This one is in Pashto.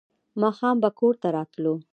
ماښام به کور ته راتلو.